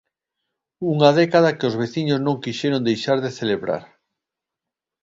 Unha década que os veciños non quixeron deixar de celebrar.